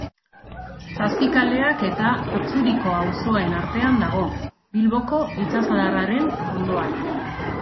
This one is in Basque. Zazpikaleak eta Atxuriko auzoen artean dago, Bilboko itsasadarraren ondoan.